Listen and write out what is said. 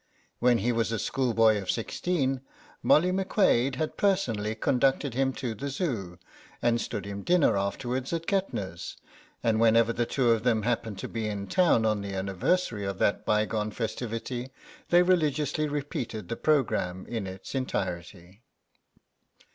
When he was a schoolboy of sixteen, Molly McQuade had personally conducted him to the Zoo and stood him dinner afterwards at Kettner's, and whenever the two of them happened to be in town on the anniversary of that bygone festivity they religiously repeated the programme in its entirety.